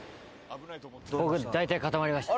僕、大体固まりました。